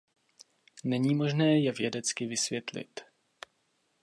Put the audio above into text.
Není možné je vědecky vysvětlit.